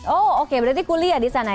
oh oke berarti kuliah di sana ya